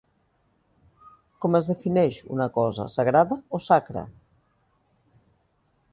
Com es defineix una cosa "sagrada" o "sacra"?